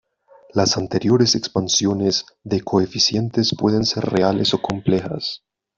Las anteriores expansiones, de coeficientes pueden ser reales o complejas.